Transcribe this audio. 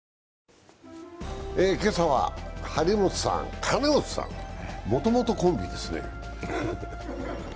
今朝は張本さん、金本さん、もともとコンビですね。